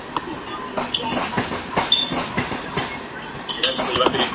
Es el padre de el actual jugador Omar Arellano.